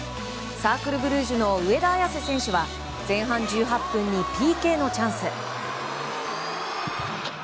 サークル・ブルージュの上田綺世選手は前半１８分にＰＫのチャンス。